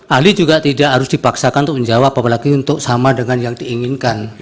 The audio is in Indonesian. ahli juga tidak harus dipaksakan untuk menjawab apalagi untuk sama dengan yang diinginkan